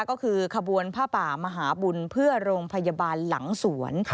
ก็คือขบวนผ้าป่ามหาบุญเพื่อโรงพยาบาลหลังสวน